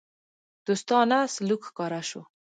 دوستانه سلوک ښکاره شو.